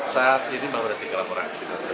saat ini baru ada tiga laporan